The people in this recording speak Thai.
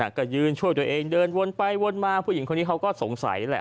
ก็ยืนช่วยตัวเองเดินวนไปวนมาผู้หญิงคนนี้เขาก็สงสัยแหละ